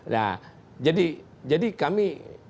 nah jadi kami